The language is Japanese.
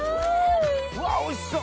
うわっおいしそう！